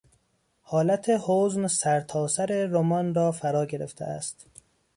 حالت حزن سرتاسر رمان را فرا گرفته است.